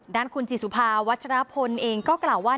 ด้านคุณจิตสุภาวัชรพลเองก็กล่าวว่า